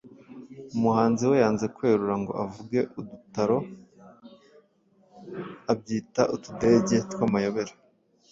Umuhanzi we yanze kwerura ngo avuge udutaro abyita utudege tw’amayobera.